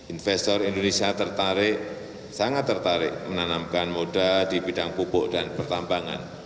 investor indonesia tertarik sangat tertarik menanamkan moda di bidang pupuk dan pertambangan